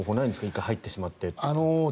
１回入ってしまったら。